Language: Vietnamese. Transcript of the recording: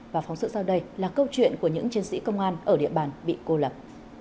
và phóng sự sau đây là câu chuyện của những chiến sĩ công an ở địa bàn bị cô lập